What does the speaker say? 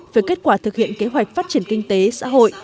về kết quả thực hiện kế hoạch phát triển kinh tế xã hội